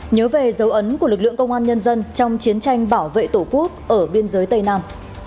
nhớ về dấu ấn của lực lượng công an nhân dân trong chiến tranh bảo vệ tổ quốc ở biên giới tây nam